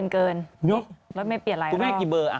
เกินรสเมศเปลี่ยนหลายรอบตัวแม่กี่เบอร์